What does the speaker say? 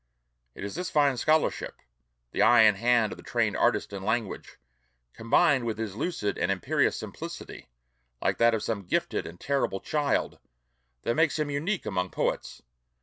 It is this fine scholarship the eye and hand of the trained artist in language combined with his lucid and imperious simplicity, like that of some gifted and terrible child, that makes him unique among poets.